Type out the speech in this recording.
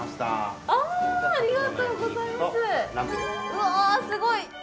うわっ、すごい。！